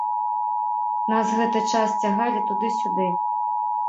Нас гэты час цягалі туды-сюды.